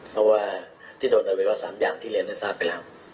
เพราะว่าที่โดนเอาไว้ว่าสามอย่างที่เรียนได้ทราบไปแล้ว